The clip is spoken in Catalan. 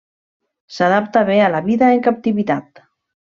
S'adapta bé a la vida en captivitat.